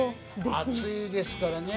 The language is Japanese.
熱いですからね。